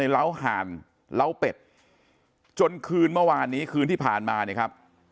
ร้าวหานร้าวเป็ดจนคืนเมื่อวานนี้คืนที่ผ่านมา